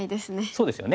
そうですよね。